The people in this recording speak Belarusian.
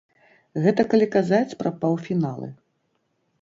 Гэта калі казаць пра паўфіналы.